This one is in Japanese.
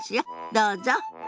どうぞ。